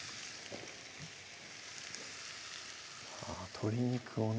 鶏肉をね